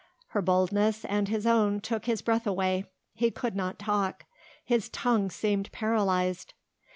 Her boldness and his own took his breath away. He could not talk. His tongue seemed paralysed.